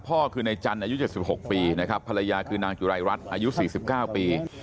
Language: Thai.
คือในจันทร์อายุ๗๖ปีนะครับภรรยาคือนางจุรายรัฐอายุ๔๙ปี